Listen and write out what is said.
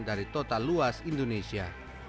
dari total luas indonesia